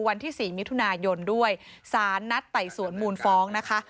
วันที่๔มิถุนายนด้วยสารนัดไต่สวนมูลฟ้องนะคะ